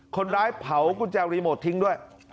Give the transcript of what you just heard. คนร้ายเผากุญแจรีโมททิ้งด้วย